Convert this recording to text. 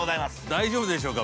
◆大丈夫でしょうか。